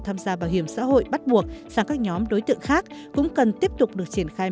tham gia bảo hiểm xã hội bắt buộc sang các nhóm đối tượng khác cũng cần tiếp tục được triển khai